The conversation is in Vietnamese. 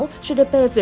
ở mức trên sáu